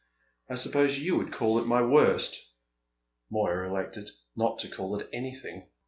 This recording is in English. I suppose you would call it my worst!" Moya elected not to call it anything.